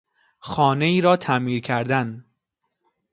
خانهای را تعمیر کردن